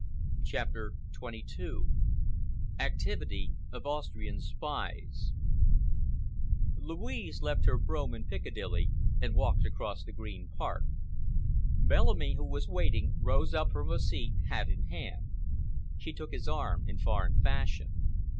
CHAPTER XXII ACTIVITY OF AUSTRIAN SPIES Louise left her brougham in Piccadilly and walked across the Green Park. Bellamy, who was waiting, rose up from a seat, hat in hand. She took his arm in foreign fashion.